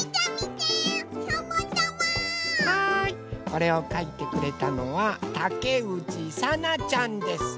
これをかいてくれたのはたけうちさなちゃんです。